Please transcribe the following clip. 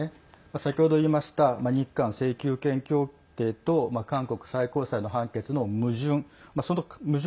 先ほど言いました日韓請求権協定と韓国最高裁の判決の矛盾。